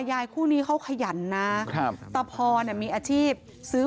เวลากินเก้าคนแต่เด็กก็ห้ามไปอยู่